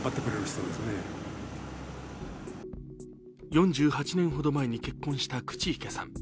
４８年ほど前に結婚した口池さん。